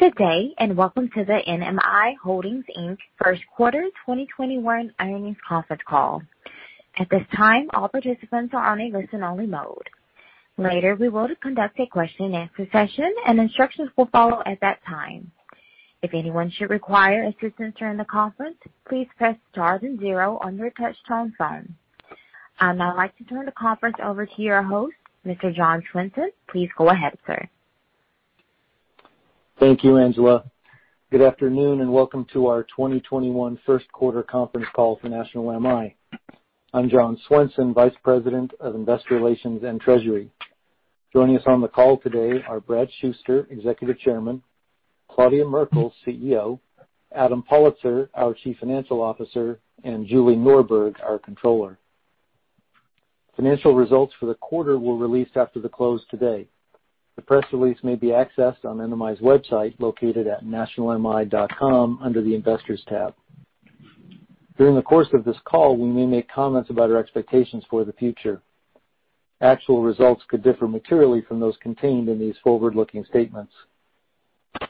Good day, and welcome to the NMI Holdings, Inc. first quarter 2021 earnings conference call. At this time, all participants are on a listen-only mode. Later, we will conduct a question-and-answer session, and instructions will follow at that time. If anyone should require assistance during the conference, please press star and zero on your touchtone phone. I'd now like to turn the conference over to your host, Mr. John Swenson. Please go ahead, sir. Thank you, Angela. Good afternoon, welcome to our 2021 first quarter conference call for National MI. I'm John Swenson, vice president of investor relations and treasury. Joining us on the call today are Brad Shuster, Executive Chairman, Claudia Merkle, CEO, Adam Pollitzer, our Chief Financial Officer, and Julie Norberg, our Controller. Financial results for the quarter were released after the close today. The press release may be accessed on NMI's website, located at nationalmi.com, under the Investors tab. During the course of this call, we may make comments about our expectations for the future. Actual results could differ materially from those contained in these forward-looking statements.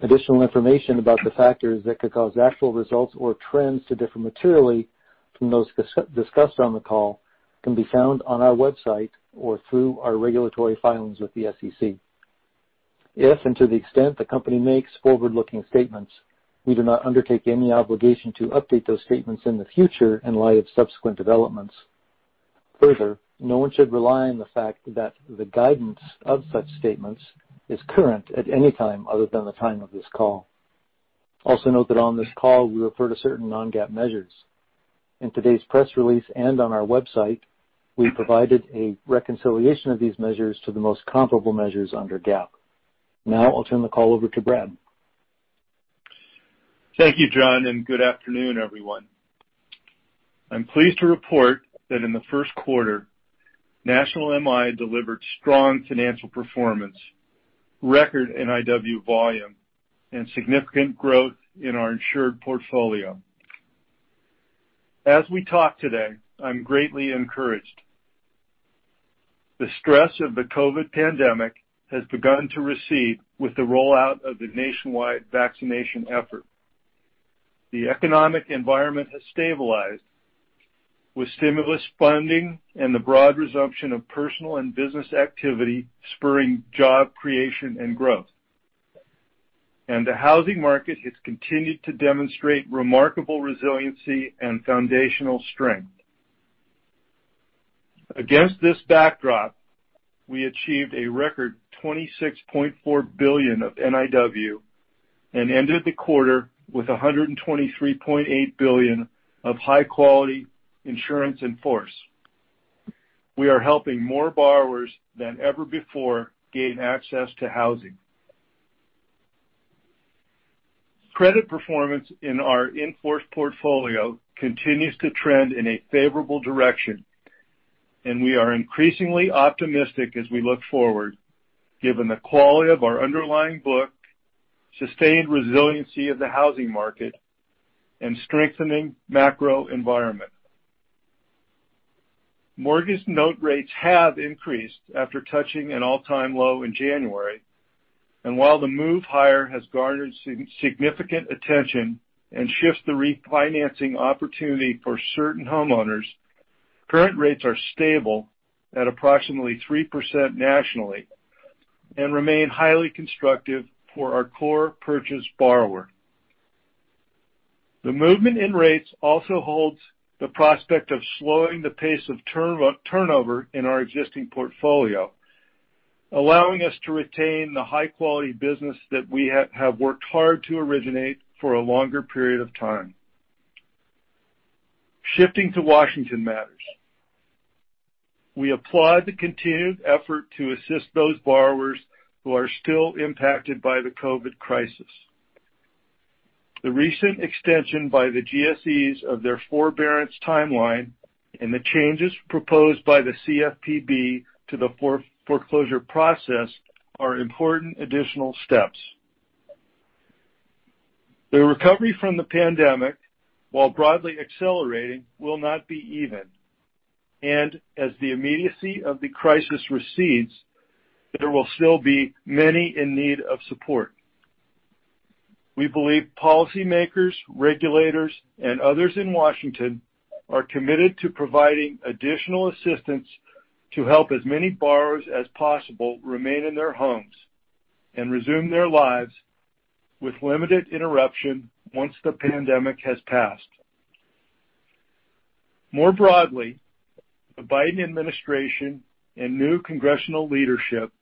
Additional information about the factors that could cause actual results or trends to differ materially from those discussed on the call can be found on our website or through our regulatory filings with the SEC. If and to the extent the company makes forward-looking statements, we do not undertake any obligation to update those statements in the future in light of subsequent developments. No one should rely on the fact that the guidance of such statements is current at any time other than the time of this call. Note that on this call, we refer to certain non-GAAP measures. In today's press release and on our website, we provided a reconciliation of these measures to the most comparable measures under GAAP. I'll turn the call over to Brad. Thank you, John, and good afternoon, everyone. I'm pleased to report that in the first quarter, National MI delivered strong financial performance, record NIW volume, and significant growth in our insured portfolio. As we talk today, I'm greatly encouraged. The stress of the COVID pandemic has begun to recede with the rollout of the nationwide vaccination effort. The economic environment has stabilized with stimulus funding and the broad resumption of personal and business activity spurring job creation and growth. The housing market has continued to demonstrate remarkable resiliency and foundational strength. Against this backdrop, we achieved a record $26.4 billion of NIW and ended the quarter with $123.8 billion of high-quality insurance in force. We are helping more borrowers than ever before gain access to housing. Credit performance in our in-force portfolio continues to trend in a favorable direction, and we are increasingly optimistic as we look forward, given the quality of our underlying book, sustained resiliency of the housing market, and strengthening macro environment. Mortgage note rates have increased after touching an all-time low in January. While the move higher has garnered significant attention and shifts the refinancing opportunity for certain homeowners, current rates are stable at approximately 3% nationally and remain highly constructive for our core purchase borrower. The movement in rates also holds the prospect of slowing the pace of turnover in our existing portfolio, allowing us to retain the high-quality business that we have worked hard to originate for a longer period of time. Shifting to Washington matters. We applaud the continued effort to assist those borrowers who are still impacted by the COVID crisis. The recent extension by the GSEs of their forbearance timeline and the changes proposed by the CFPB to the foreclosure process are important additional steps. The recovery from the pandemic, while broadly accelerating, will not be even. As the immediacy of the crisis recedes, there will still be many in need of support. We believe policymakers, regulators, and others in Washington are committed to providing additional assistance to help as many borrowers as possible remain in their homes and resume their lives with limited interruption once the pandemic has passed. More broadly, the Biden administration and new congressional leadership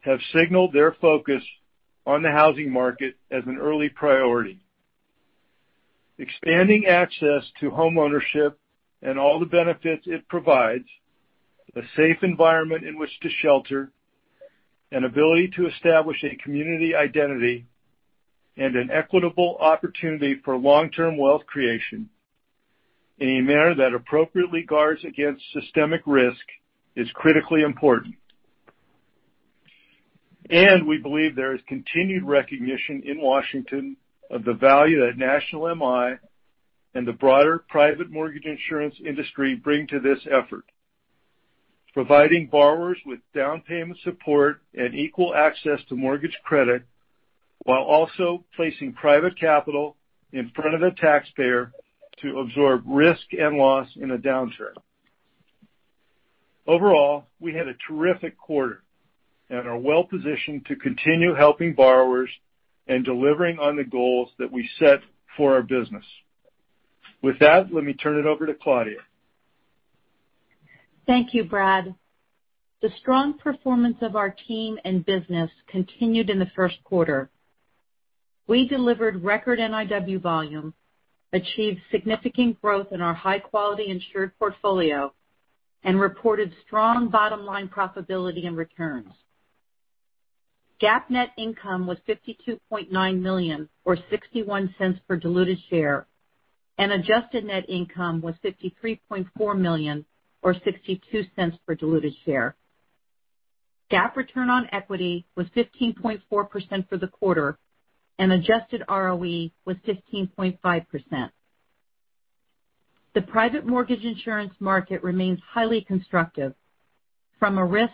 have signaled their focus on the housing market as an early priority. Expanding access to homeownership and all the benefits it provides, a safe environment in which to shelter, an ability to establish a community identity, and an equitable opportunity for long-term wealth creation in a manner that appropriately guards against systemic risk is critically important. We believe there is continued recognition in Washington of the value that National MI and the broader private mortgage insurance industry bring to this effort. Providing borrowers with down payment support and equal access to mortgage credit, while also placing private capital in front of the taxpayer to absorb risk and loss in a downturn. Overall, we had a terrific quarter and are well-positioned to continue helping borrowers and delivering on the goals that we set for our business. With that, let me turn it over to Claudia. Thank you, Brad. The strong performance of our team and business continued in the first quarter. We delivered record NIW volume, achieved significant growth in our high-quality insured portfolio, and reported strong bottom-line profitability and returns. GAAP net income was $52.9 million, or $0.61 per diluted share, and adjusted net income was $53.4 million, or $0.62 per diluted share. GAAP return on equity was 15.4% for the quarter, and adjusted ROE was 15.5%. The private mortgage insurance market remains highly constructive from a risk,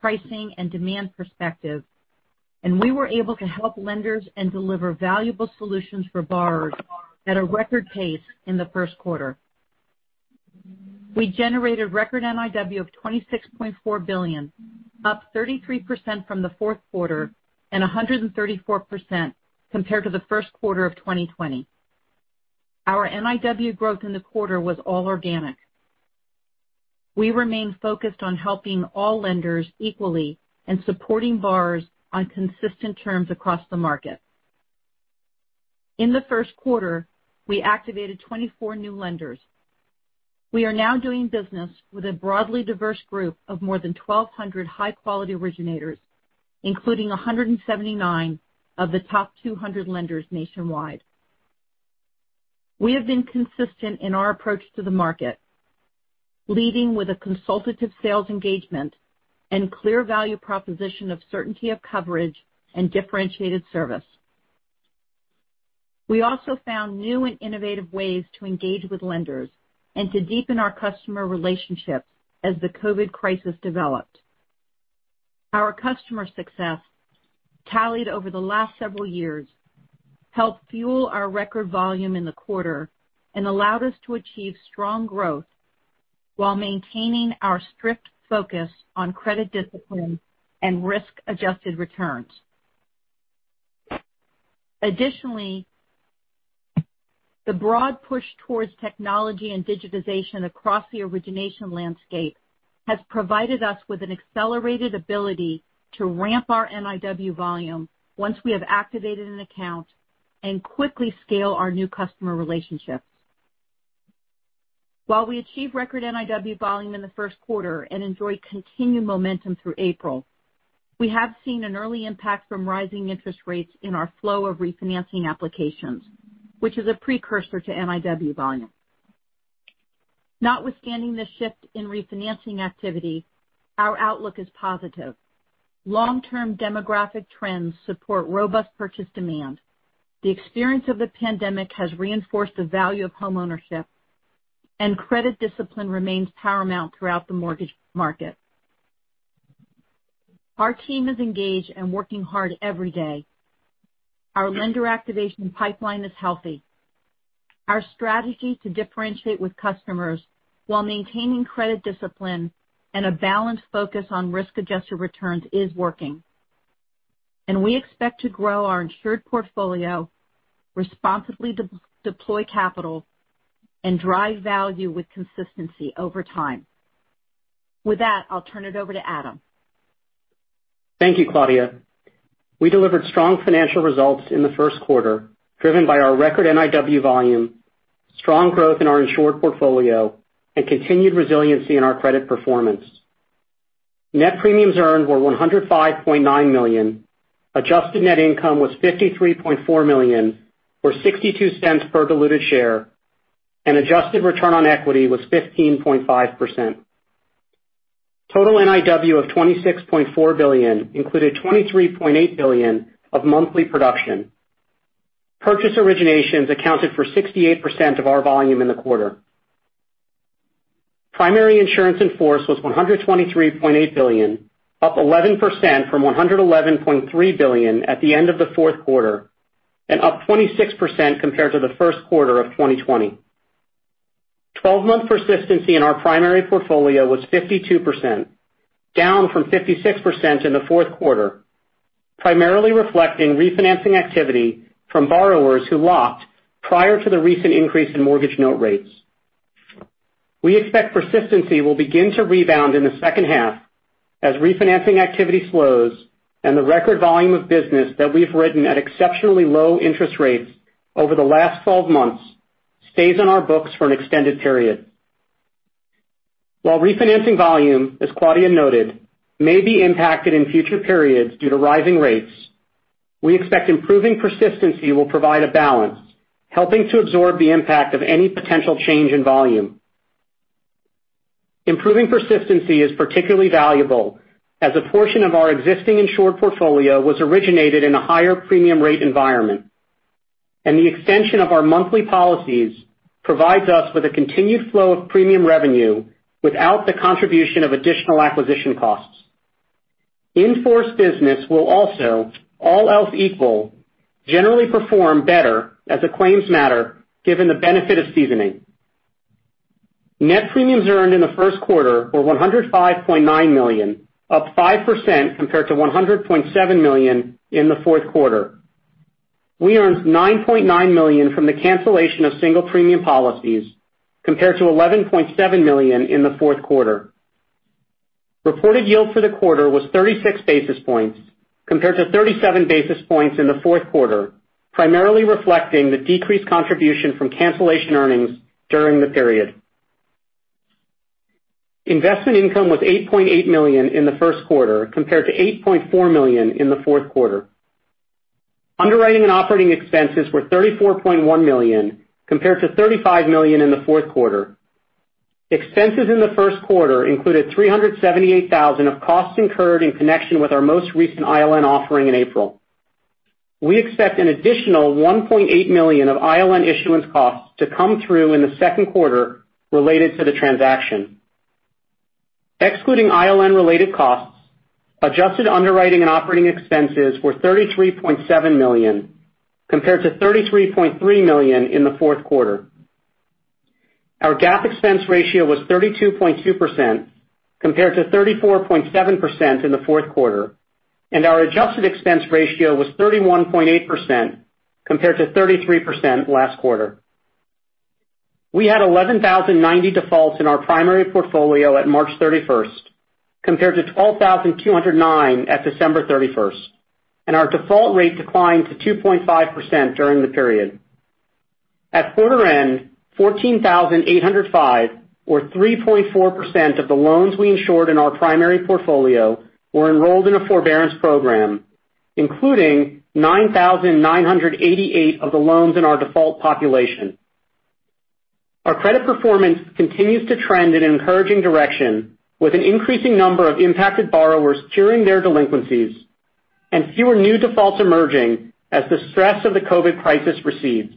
pricing, and demand perspective, and we were able to help lenders and deliver valuable solutions for borrowers at a record pace in the first quarter. We generated record NIW of $26.4 billion, up 33% from the fourth quarter and 134% compared to the first quarter of 2020. Our NIW growth in the quarter was all organic. We remain focused on helping all lenders equally and supporting borrowers on consistent terms across the market. In the first quarter, we activated 24 new lenders. We are now doing business with a broadly diverse group of more than 1,200 high-quality originators, including 179 of the top 200 lenders nationwide. We have been consistent in our approach to the market, leading with a consultative sales engagement and clear value proposition of certainty of coverage and differentiated service. We also found new and innovative ways to engage with lenders and to deepen our customer relationships as the COVID crisis developed. Our customer success, tallied over the last several years, helped fuel our record volume in the quarter and allowed us to achieve strong growth while maintaining our strict focus on credit discipline and risk-adjusted returns. Additionally, the broad push towards technology and digitization across the origination landscape has provided us with an accelerated ability to ramp our NIW volume once we have activated an account and quickly scale our new customer relationships. We achieved record NIW volume in the first quarter and enjoyed continued momentum through April, we have seen an early impact from rising interest rates in our flow of refinancing applications, which is a precursor to NIW volume. Notwithstanding the shift in refinancing activity, our outlook is positive. Long-term demographic trends support robust purchase demand, the experience of the pandemic has reinforced the value of homeownership, and credit discipline remains paramount throughout the mortgage market. Our team is engaged and working hard every day. Our lender activation pipeline is healthy. Our strategy to differentiate with customers while maintaining credit discipline and a balanced focus on risk-adjusted returns is working. We expect to grow our insured portfolio, responsibly deploy capital, and drive value with consistency over time. With that, I'll turn it over to Adam. Thank you, Claudia. We delivered strong financial results in the first quarter, driven by our record NIW volume, strong growth in our insured portfolio, and continued resiliency in our credit performance. Net premiums earned were $105.9 million, adjusted net income was $53.4 million, or $0.62 per diluted share, and adjusted return on equity was 15.5%. Total NIW of $26.4 billion included $23.8 billion of monthly production. Purchase originations accounted for 68% of our volume in the quarter. Primary insurance in force was $123.8 billion, up 11% from $111.3 billion at the end of the fourth quarter, and up 26% compared to the first quarter of 2020. 12-month persistency in our primary portfolio was 52%, down from 56% in the fourth quarter, primarily reflecting refinancing activity from borrowers who locked prior to the recent increase in mortgage note rates. We expect persistency will begin to rebound in the second half as refinancing activity slows and the record volume of business that we've written at exceptionally low interest rates over the last 12 months stays on our books for an extended period. While refinancing volume, as Claudia noted, may be impacted in future periods due to rising rates, we expect improving persistency will provide a balance, helping to absorb the impact of any potential change in volume. Improving persistency is particularly valuable as a portion of our existing insured portfolio was originated in a higher premium rate environment. The extension of our monthly policies provides us with a continued flow of premium revenue without the contribution of additional acquisition costs. In-force business will also, all else equal, generally perform better as a claims matter, given the benefit of seasoning. Net premiums earned in the first quarter were $105.9 million, up 5% compared to $100.7 million in the fourth quarter. We earned $9.9 million from the cancellation of single premium policies, compared to $11.7 million in the fourth quarter. Reported yield for the quarter was 36 basis points, compared to 37 basis points in the fourth quarter, primarily reflecting the decreased contribution from cancellation earnings during the period. Investment income was $8.8 million in the first quarter, compared to $8.4 million in the fourth quarter. Underwriting and operating expenses were $34.1 million, compared to $35 million in the fourth quarter. Expenses in the first quarter included $378,000 of costs incurred in connection with our most recent ILN offering in April. We expect an additional $1.8 million of ILN issuance costs to come through in the second quarter related to the transaction. Excluding ILN-related costs, adjusted underwriting and operating expenses were $33.7 million, compared to $33.3 million in the fourth quarter. Our GAAP expense ratio was 32.2%, compared to 34.7% in the fourth quarter, and our adjusted expense ratio was 31.8%, compared to 33% last quarter. We had 11,090 defaults in our primary portfolio at March 31st, compared to 12,209 at December 31st, and our default rate declined to 2.5% during the period. At quarter end, 14,805 or 3.4% of the loans we insured in our primary portfolio were enrolled in a forbearance program, including 9,988 of the loans in our default population. Our credit performance continues to trend in an encouraging direction, with an increasing number of impacted borrowers curing their delinquencies and fewer new defaults emerging as the stress of the COVID crisis recedes.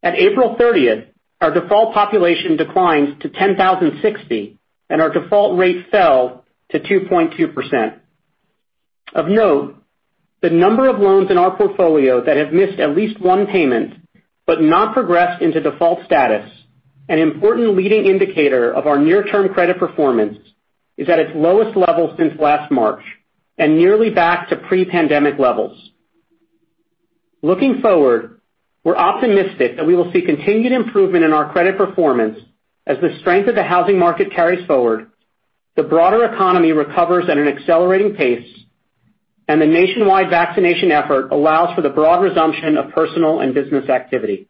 At April 30th, our default population declined to 10,060, and our default rate fell to 2.2%. Of note, the number of loans in our portfolio that have missed at least one payment but not progressed into default status, an important leading indicator of our near-term credit performance, is at its lowest level since last March and nearly back to pre-pandemic levels. Looking forward, we're optimistic that we will see continued improvement in our credit performance as the strength of the housing market carries forward, the broader economy recovers at an accelerating pace, and the nationwide vaccination effort allows for the broad resumption of personal and business activity.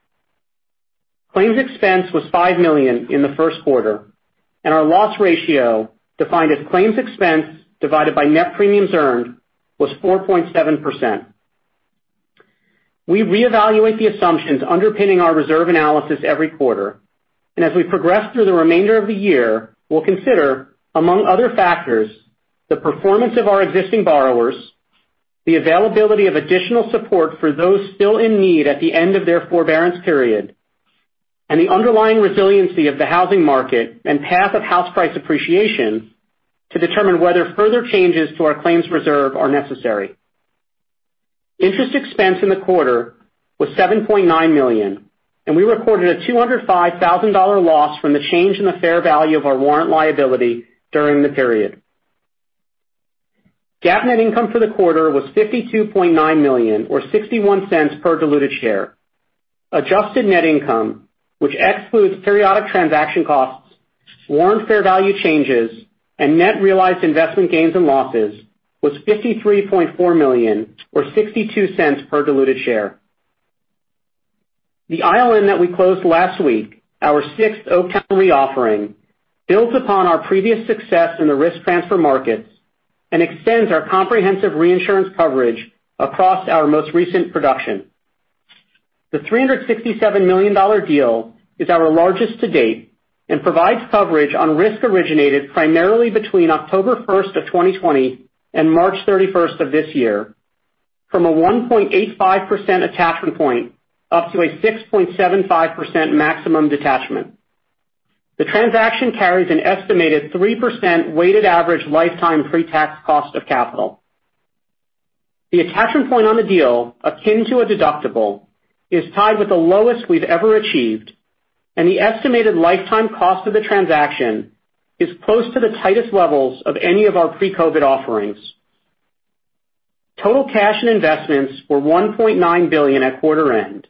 Claims expense was $5 million in the first quarter, and our loss ratio, defined as Claims expense divided by net premiums earned, was 4.7%. We reevaluate the assumptions underpinning our reserve analysis every quarter. As we progress through the remainder of the year, we'll consider, among other factors, the performance of our existing borrowers, the availability of additional support for those still in need at the end of their forbearance period, and the underlying resiliency of the housing market and path of house price appreciation to determine whether further changes to our claims reserve are necessary. Interest expense in the quarter was $7.9 million. We recorded a $205,000 loss from the change in the fair value of our warrant liability during the period. GAAP net income for the quarter was $52.9 million, or $0.61 per diluted share. Adjusted net income, which excludes periodic transaction costs, warrant fair value changes, and net realized investment gains and losses, was $53.4 million, or $0.62 per diluted share. The ILN that we closed last week, our sixth Oaktown Re VI offering, builds upon our previous success in the risk transfer markets and extends our comprehensive reinsurance coverage across our most recent production. The $367 million deal is our largest to date and provides coverage on risk originated primarily between October 1st of 2020 and March 31st of this year, from a 1.85% attachment point up to a 6.75% maximum detachment. The transaction carries an estimated 3% weighted average lifetime pre-tax cost of capital. The attachment point on the deal, akin to a deductible, is tied with the lowest we've ever achieved, and the estimated lifetime cost of the transaction is close to the tightest levels of any of our pre-COVID offerings. Total cash and investments were $1.9 billion at quarter end,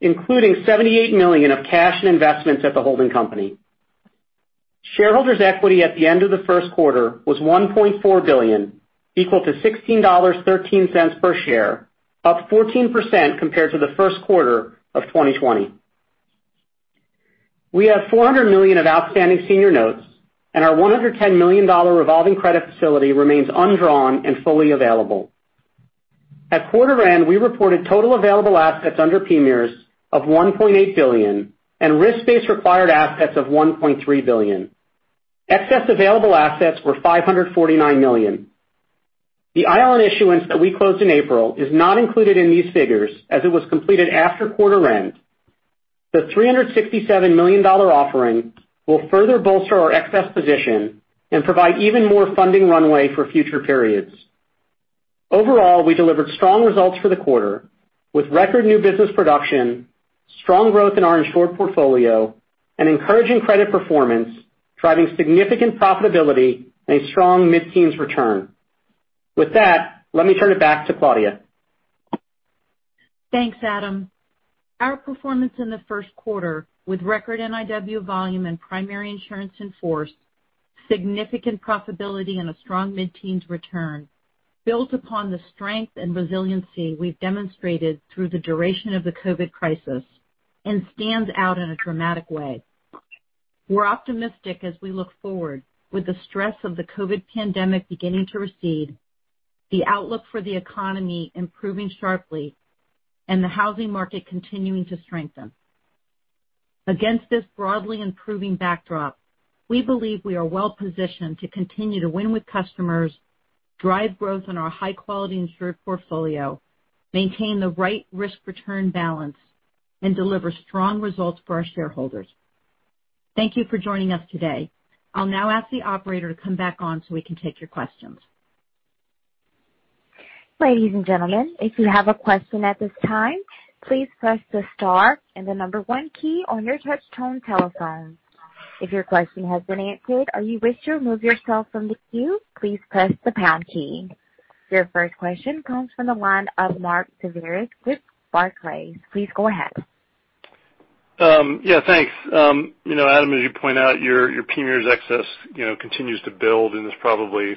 including $78 million of cash and investments at the holding company. Shareholders' equity at the end of the first quarter was $1.4 billion, equal to $16.13 per share, up 14% compared to the first quarter of 2020. We have $400 million of outstanding senior notes, Our $110 million revolving credit facility remains undrawn and fully available. At quarter end, we reported total available assets under PMIERs of $1.8 billion and risk-based required assets of $1.3 billion. Excess available assets were $549 million. The ILN issuance that we closed in April is not included in these figures, as it was completed after quarter end. The $367 million offering will further bolster our excess position and provide even more funding runway for future periods. Overall, we delivered strong results for the quarter, with record new business production, strong growth in our insured portfolio, and encouraging credit performance, driving significant profitability and a strong mid-teens return. With that, let me turn it back to Claudia. Thanks, Adam. Our performance in the first quarter, with record NIW volume and primary insurance in force, significant profitability, and a strong mid-teens return, builds upon the strength and resiliency we've demonstrated through the duration of the COVID crisis and stands out in a dramatic way. We're optimistic as we look forward, with the stress of the COVID pandemic beginning to recede, the outlook for the economy improving sharply, and the housing market continuing to strengthen. Against this broadly improving backdrop, we believe we are well-positioned to continue to win with customers, drive growth in our high-quality insured portfolio, maintain the right risk-return balance, and deliver strong results for our shareholders. Thank you for joining us today. I'll now ask the Operator to come back on so we can take your questions. Ladies and gentlemen, if you have a question at this time, please press the star and then number one key on your touchtone telephone. If your question has been answered or wish to remove yourself from the queue, please press the pound key. Your first question comes from the line of Mark DeVries with Barclays. Please go ahead. Thanks. Adam, as you point out, your PMIERs excess continues to build and is probably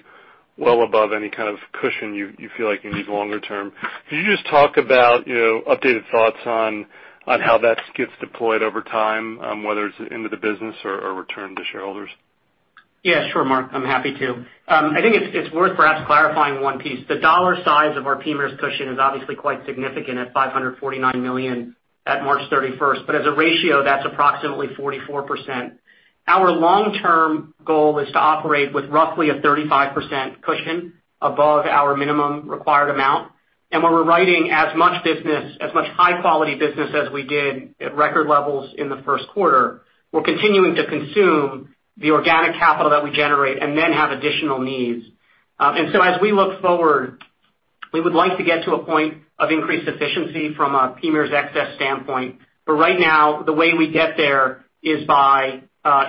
well above any kind of cushion you feel like you need longer term. Can you just talk about updated thoughts on how that gets deployed over time, whether it's into the business or return to shareholders? Yeah, sure, Mark. I'm happy to. I think it's worth perhaps clarifying one piece. The dollar size of our PMIERs cushion is obviously quite significant at $549 million at March 31st, but as a ratio, that's approximately 44%. Our long-term goal is to operate with roughly a 35% cushion above our minimum required amount. When we're writing as much high-quality business as we did at record levels in the first quarter, we're continuing to consume the organic capital that we generate and then have additional needs. As we look forward, we would like to get to a point of increased efficiency from a PMIERs excess standpoint. Right now, the way we get there is by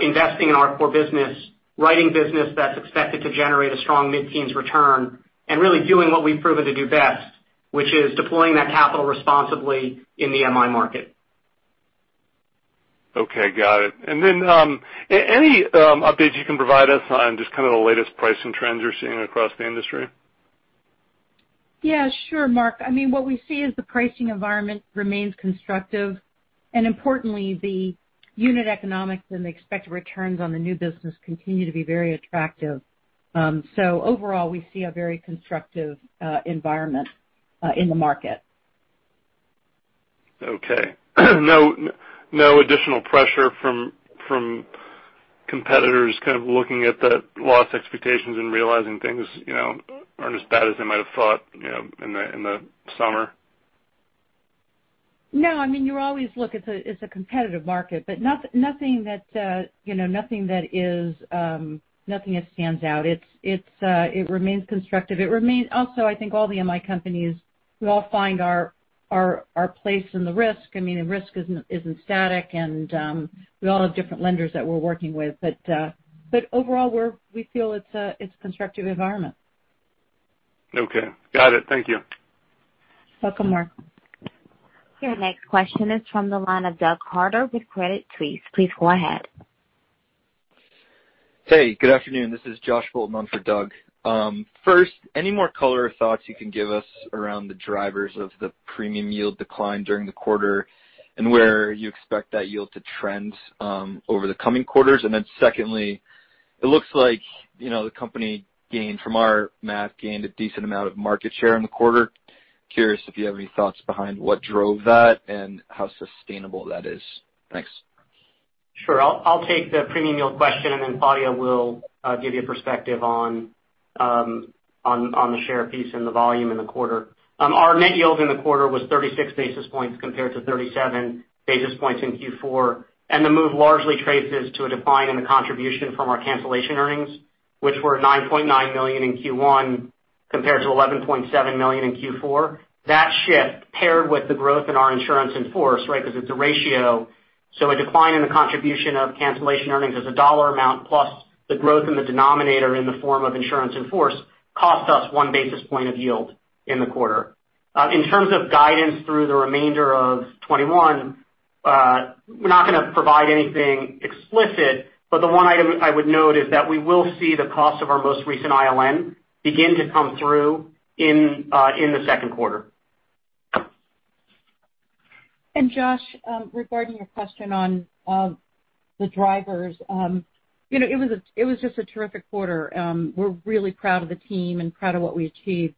investing in our core business, writing business that's expected to generate a strong mid-teens return, and really doing what we've proven to do best, which is deploying that capital responsibly in the MI market. Okay, got it. Any updates you can provide us on just kind of the latest pricing trends you're seeing across the industry? Yeah, sure, Mark. What we see is the pricing environment remains constructive. Importantly, the unit economics and the expected returns on the new business continue to be very attractive. Overall, we see a very constructive environment in the market. Okay. No additional pressure from competitors kind of looking at the loss expectations and realizing things aren't as bad as they might've thought in the summer? No. You always look, it's a competitive market, nothing that stands out. It remains constructive. I think all the MI companies, we all find our place in the risk. Risk isn't static, we all have different lenders that we're working with. Overall, we feel it's a constructive environment. Okay. Got it. Thank you. You're welcome, Mark. Your next question is from the line of Doug Harter with Credit Suisse. Please go ahead. Hey, good afternoon. This is Josh Bolton on for Doug. First, any more color or thoughts you can give us around the drivers of the premium yield decline during the quarter and where you expect that yield to trend over the coming quarters? Secondly, it looks like the company, from our math, gained a decent amount of market share in the quarter. Curious if you have any thoughts behind what drove that and how sustainable that is. Thanks. Sure. I'll take the premium yield question, and then Claudia will give you perspective on the share piece and the volume in the quarter. Our net yield in the quarter was 36 basis points compared to 37 basis points in Q4. The move largely traces to a decline in the contribution from our cancellation earnings, which were $9.9 million in Q1 compared to $11.7 million in Q4. That shift, paired with the growth in our primary insurance in force, right, because it's a ratio. A decline in the contribution of cancellation earnings as a dollar amount plus the growth in the denominator in the form of primary insurance in force cost us one basis point of yield in the quarter. In terms of guidance through the remainder of 2021, we're not going to provide anything explicit. The one item I would note is that we will see the cost of our most recent ILN begin to come through in the second quarter. Josh, regarding your question on the drivers. It was just a terrific quarter. We're really proud of the team and proud of what we achieved.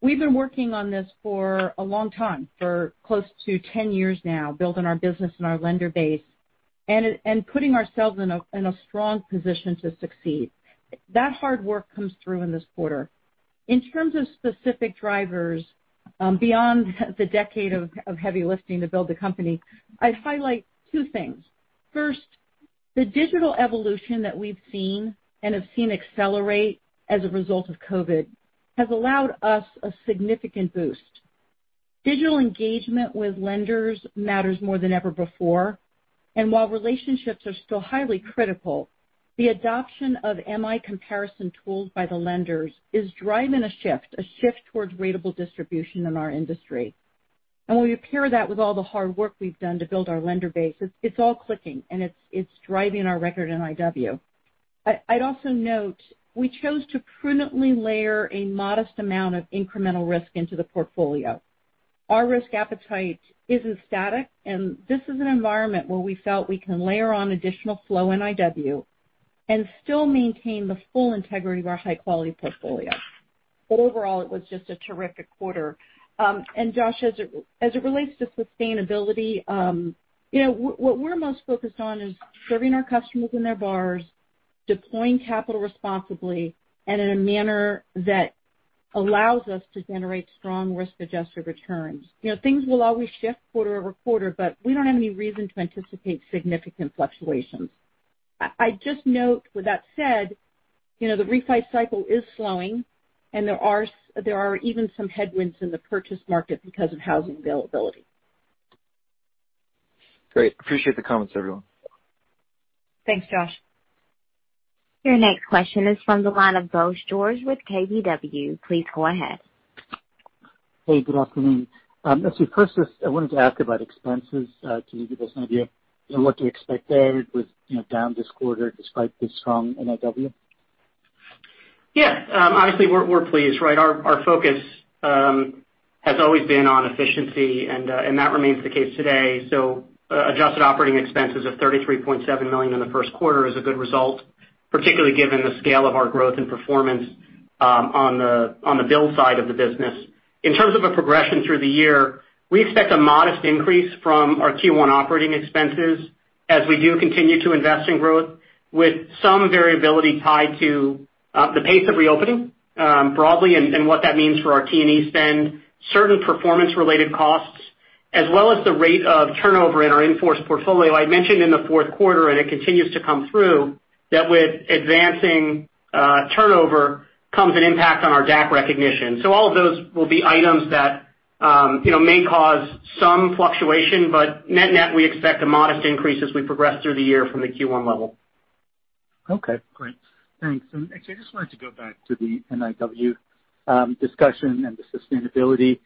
We've been working on this for a long time, for close to 10 years now, building our business and our lender base and putting ourselves in a strong position to succeed. That hard work comes through in this quarter. In terms of specific drivers, beyond the decade of heavy lifting to build the company, I'd highlight two things. First, the digital evolution that we've seen and have seen accelerate as a result of COVID, has allowed us a significant boost. Digital engagement with lenders matters more than ever before, and while relationships are still highly critical, the adoption of MI comparison tools by the lenders is driving a shift towards ratable distribution in our industry. When we pair that with all the hard work we've done to build our lender base, it's all clicking, and it's driving our record in NIW. I'd also note, we chose to prudently layer a modest amount of incremental risk into the portfolio. Our risk appetite isn't static, and this is an environment where we felt we can layer on additional flow NIW and still maintain the full integrity of our high-quality portfolio. Overall, it was just a terrific quarter. Josh, as it relates to sustainability, what we're most focused on is serving our customers and their borrowers, deploying capital responsibly, and in a manner that allows us to generate strong risk-adjusted returns. Things will always shift quarter over quarter, but we don't have any reason to anticipate significant fluctuations. I'd just note, with that said, the refi cycle is slowing, and there are even some headwinds in the purchase market because of housing availability. Great. Appreciate the comments, everyone. Thanks, Josh. Your next question is from the line of Bose George with KBW. Please go ahead. Hey, good afternoon. Actually, first, I wanted to ask about expenses, can you give us an idea what to expect there with down this quarter despite this strong NIW? Honestly, we're pleased, right? Our focus has always been on efficiency, and that remains the case today. Adjusted operating expenses of $33.7 million in the first quarter is a good result, particularly given the scale of our growth and performance, on the build side of the business. In terms of a progression through the year, we expect a modest increase from our Q1 operating expenses as we do continue to invest in growth with some variability tied to, the pace of reopening, broadly, and what that means for our T&E spend, certain performance-related costs, as well as the rate of turnover in our in-force portfolio. I mentioned in the fourth quarter, and it continues to come through, that with advancing turnover comes an impact on our DAC recognition. All of those will be items that may cause some fluctuation, but net-net, we expect a modest increase as we progress through the year from the Q1 level. Okay, great. Thanks. Actually, I just wanted to go back to the NIW discussion and the sustainability.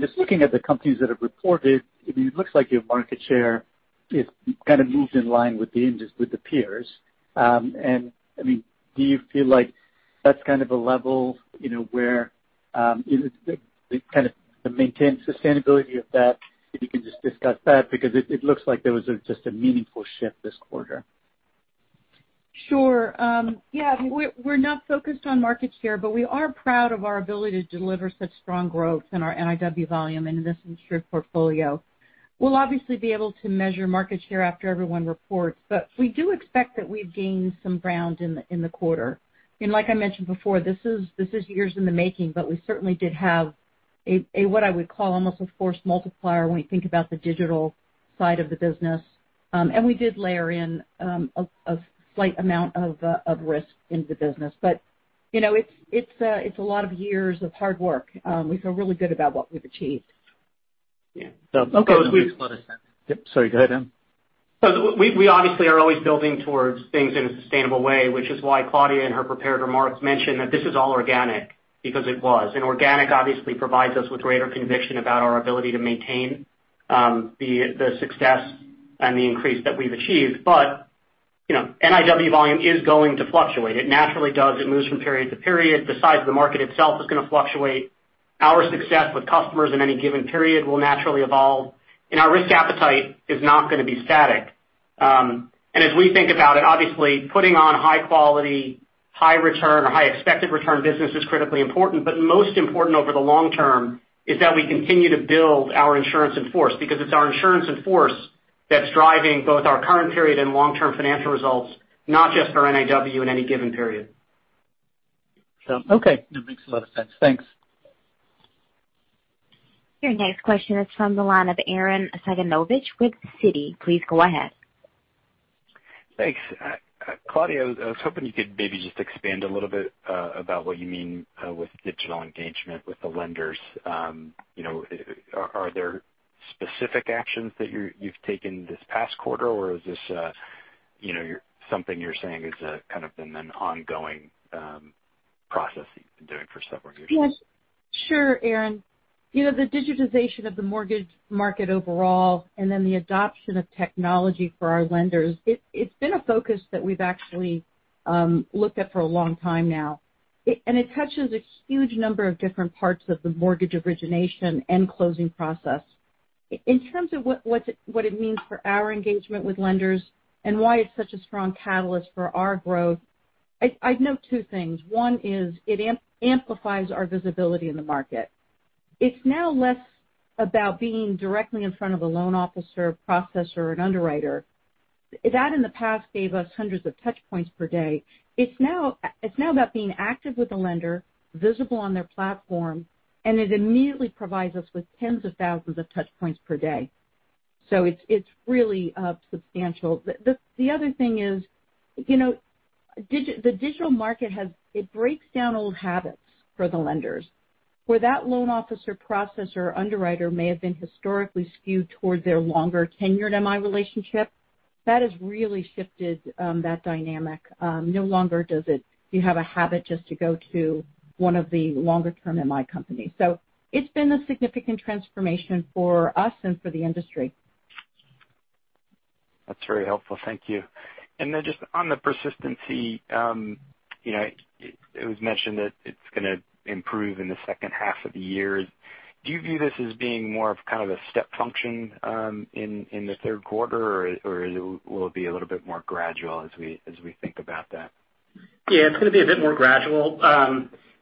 Just looking at the companies that have reported, it looks like your market share is kind of moved in line with the [industry], with the peers. Do you feel like that's kind of a level, where to maintain sustainability of that, if you can just discuss that, because it looks like there was just a meaningful shift this quarter. Sure. Yeah, we're not focused on market share, but we are proud of our ability to deliver such strong growth in our NIW volume in this insured portfolio. We'll obviously be able to measure market share after everyone reports, but we do expect that we've gained some ground in the quarter. Like I mentioned before, this is years in the making, but we certainly did have a, what I would call almost a force multiplier when we think about the digital side of the business. We did layer in a slight amount of risk into the business. It's a lot of years of hard work. We feel really good about what we've achieved. Yeah. Okay. Yep, sorry. Go ahead, Adam. We obviously are always building towards things in a sustainable way, which is why Claudia, in her prepared remarks, mentioned that this is all organic, because it was. Organic obviously provides us with greater conviction about our ability to maintain the success and the increase that we've achieved. NIW volume is going to fluctuate. It naturally does. It moves from period to period. The size of the market itself is going to fluctuate. Our success with customers in any given period will naturally evolve, and our risk appetite is not going to be static. As we think about it, obviously, putting on high quality, high return, or high expected return business is critically important, but most important over the long term is that we continue to build our insurance in force, because it's our insurance in force that's driving both our current period and long-term financial results, not just our NIW in any given period. Okay. That makes a lot of sense. Thanks. Your next question is from the line of Arren Cyganovich with Citi. Please go ahead. Thanks. Claudia, I was hoping you could maybe just expand a little bit about what you mean with digital engagement with the lenders. Are there specific actions that you've taken this past quarter or is this something you're saying has kind of been an ongoing process that you've been doing for several years? Sure, Arren. The digitization of the mortgage market overall, then the adoption of technology for our lenders, it's been a focus that we've actually looked at for a long time now. It touches a huge number of different parts of the mortgage origination and closing process. In terms of what it means for our engagement with lenders and why it's such a strong catalyst for our growth, I'd note two things. One is it amplifies our visibility in the market. It's now less about being directly in front of a loan officer, processor, an underwriter. That in the past gave us hundreds of touchpoints per day. It's now about being active with the lender, visible on their platform, and it immediately provides us with tens of thousands of touchpoints per day. It's really substantial. The other thing is, the digital market breaks down old habits for the lenders. Where that loan officer, processor, underwriter may have been historically skewed towards their longer tenured MI relationship, that has really shifted that dynamic. No longer do you have a habit just to go to one of the longer-term MI companies. It's been a significant transformation for us and for the industry. That's very helpful. Thank you. Just on the persistency, it was mentioned that it's going to improve in the second half of the year. Do you view this as being more of kind of a step function in the third quarter, or will it be a little bit more gradual as we think about that? Yeah, it's going to be a bit more gradual.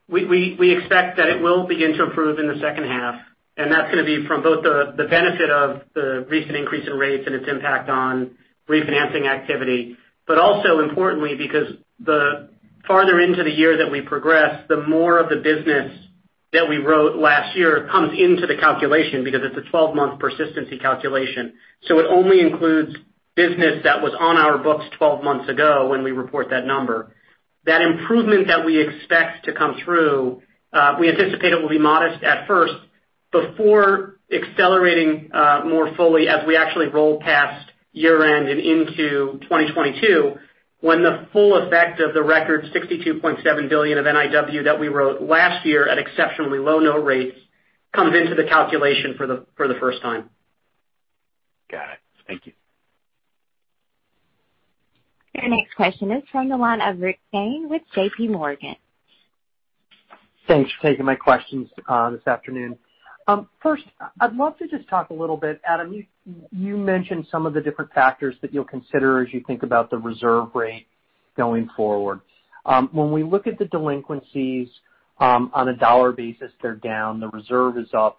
We expect that it will begin to improve in the second half, and that's going to be from both the benefit of the recent increase in rates and its impact on refinancing activity. Also importantly, because the farther into the year that we progress, the more of the business that we wrote last year comes into the calculation because it's a 12-month persistency calculation. It only includes business that was on our books 12 months ago when we report that number. That improvement that we expect to come through, we anticipate it will be modest at first before accelerating more fully as we actually roll past year-end and into 2022, when the full effect of the record $62.7 billion of NIW that we wrote last year at exceptionally low note rates comes into the calculation for the first time. Got it. Thank you. Your next question is from the line of Rick Shane with JPMorgan. Thanks for taking my questions this afternoon. First, I'd love to just talk a little bit, Adam, you mentioned some of the different factors that you'll consider as you think about the reserve rate going forward. When we look at the delinquencies on a dollar basis, they're down, the reserve is up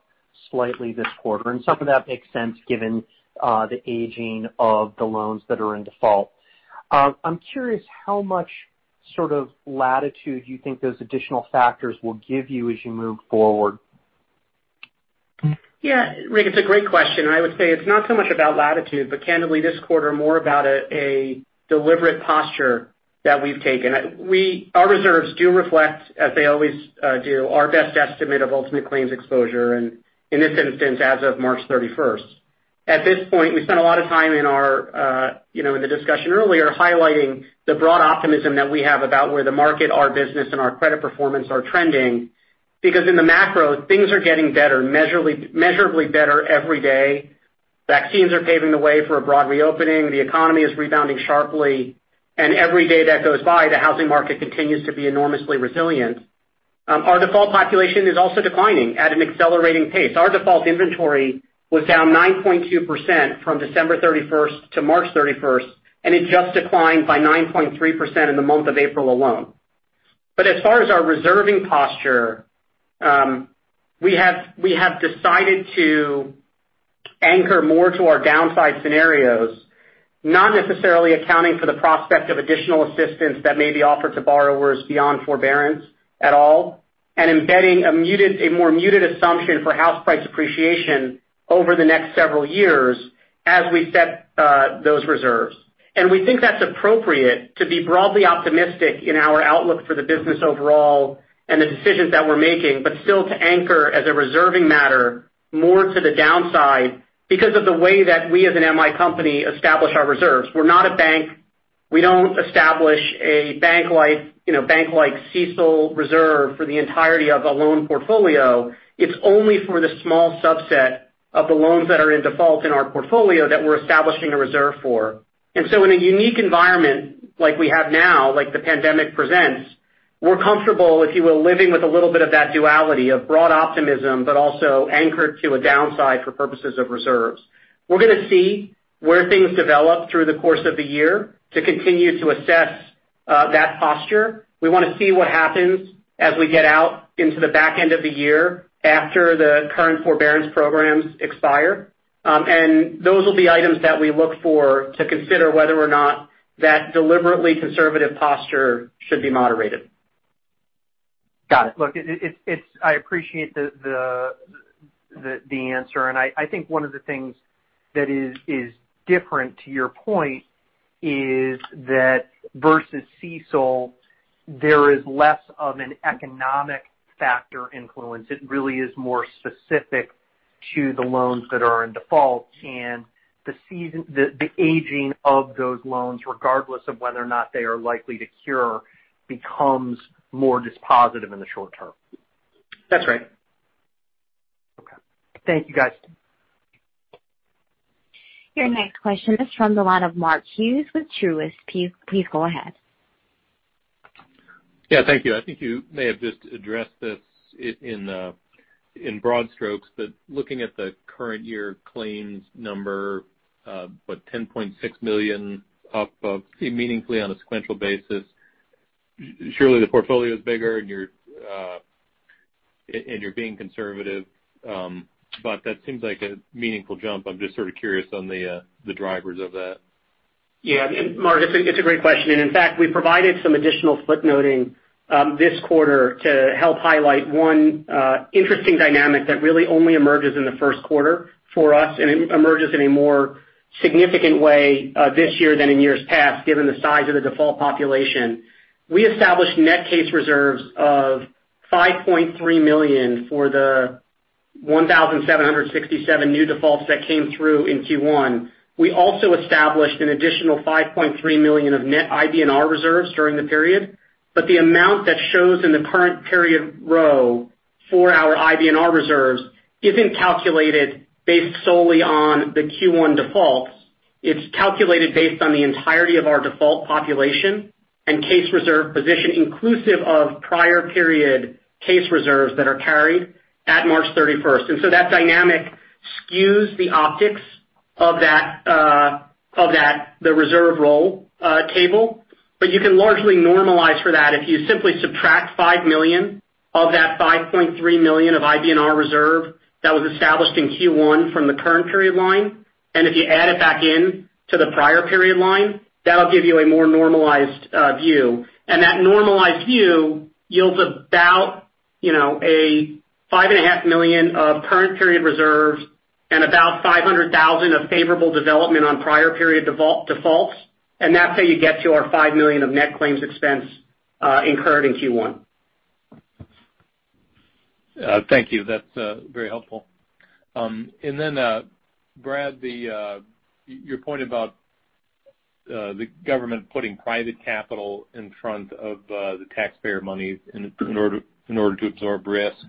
slightly this quarter, and some of that makes sense given the aging of the loans that are in default. I'm curious how much sort of latitude you think those additional factors will give you as you move forward. Yeah, Rick, it's a great question. I would say it's not so much about latitude, but candidly this quarter more about a deliberate posture that we've taken. Our reserves do reflect, as they always do, our best estimate of ultimate claims exposure. In this instance, as of March 31st. At this point, we spent a lot of time in the discussion earlier highlighting the broad optimism that we have about where the market, our business, and our credit performance are trending. In the macro, things are getting better, measurably better every day. Vaccines are paving the way for a broad reopening. The economy is rebounding sharply. Every day that goes by, the housing market continues to be enormously resilient. Our default population is also declining at an accelerating pace. Our default inventory was down 9.2% from December 31st to March 31st, and it just declined by 9.3% in the month of April alone. As far as our reserving posture, we have decided to anchor more to our downside scenarios. Not necessarily accounting for the prospect of additional assistance that may be offered to borrowers beyond forbearance at all, and embedding a more muted assumption for house price appreciation over the next several years as we set those reserves. We think that's appropriate to be broadly optimistic in our outlook for the business overall and the decisions that we're making, but still to anchor as a reserving matter more to the downside because of the way that we as an MI company establish our reserves. We're not a bank. We don't establish a bank-like CECL reserve for the entirety of a loan portfolio. It's only for the small subset of the loans that are in default in our portfolio that we're establishing a reserve for. In a unique environment like we have now, like the pandemic presents, we're comfortable, if you will, living with a little bit of that duality of broad optimism, but also anchored to a downside for purposes of reserves. We're going to see where things develop through the course of the year to continue to assess that posture. We want to see what happens as we get out into the back end of the year after the current forbearance programs expire. Those will be items that we look for to consider whether or not that deliberately conservative posture should be moderated. Got it. Look, I appreciate the answer. I think one of the things that is different to your point is that versus CECL, there is less of an economic factor influence. It really is more specific to the loans that are in default and the aging of those loans, regardless of whether or not they are likely to cure, becomes more just positive in the short term. That's right. Okay. Thank you, guys. Your next question is from the line of Mark Hughes with Truist. Please go ahead. Yeah, thank you. I think you may have just addressed this in broad strokes, but looking at the current year claims number, what, $10.6 million up meaningfully on a sequential basis. Surely the portfolio is bigger and you're being conservative, but that seems like a meaningful jump. I'm just sort of curious on the drivers of that. Yeah. Mark, it's a great question. In fact, we provided some additional footnoting this quarter to help highlight one interesting dynamic that really only emerges in the first quarter for us, and it emerges in a more significant way this year than in years past, given the size of the default population. We established net case reserves of $5.3 million for the 1,767 new defaults that came through in Q1. We also established an additional $5.3 million of net IBNR reserves during the period. The amount that shows in the current period row for our IBNR reserves isn't calculated based solely on the Q1 defaults. It's calculated based on the entirety of our default population and case reserve position, inclusive of prior period case reserves that are carried at March 31st. So that dynamic skews the optics of the reserve roll table. You can largely normalize for that if you simply subtract $5 million of that $5.3 million of IBNR reserve that was established in Q1 from the current period line. If you add it back in to the prior period line, that'll give you a more normalized view. That normalized view yields about a [$5.5 million] of current period reserves and about $500,000 of favorable development on prior period defaults. That's how you get to our $5 million of net claims expense incurred in Q1. Thank you. That's very helpful. Then Brad, your point about the government putting private capital in front of the taxpayer money in order to absorb risk.